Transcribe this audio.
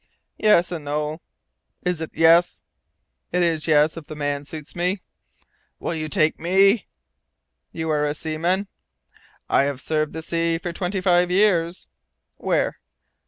"Yes and no." "Is it yes?" "It is yes, if the man suits me." "Will you take me?" "You are a seaman?" "I have served the sea for twenty five years." "Where?"